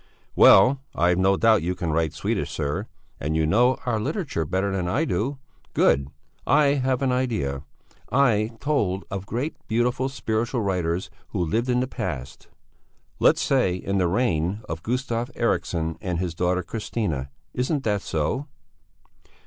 "Well, I've no doubt you can write Swedish, sir. And you know our literature better than I do. Good! I have an idea. I am told of great, beautiful, spiritual writers who lived in the past, let's say in the reign of Gustav Eriksson and his daughter Christina. Isn't that so?"